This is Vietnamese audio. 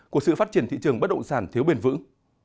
của sự phát triển thị trường bất động sản thiếu bền vững